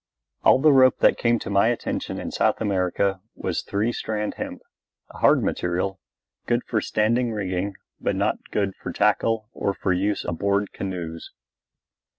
All the rope that came to my attention in South America was three strand hemp, a hard material, good for standing rigging but not good for tackle or for use aboard canoes.